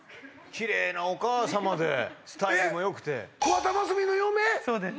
キレイなお母様でスタイルもよくてそうです